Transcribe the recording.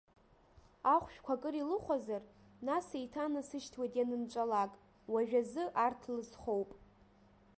Ахәшәқәа акыр илыхәозар, нас еиҭанасышьҭуеит ианынҵәалак, уажәазы арҭ лызхоуп.